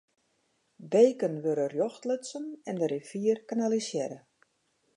Beken wurde rjocht lutsen en de rivier kanalisearre.